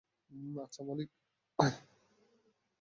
আচ্ছা, মালিক।